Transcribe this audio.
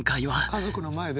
家族の前で？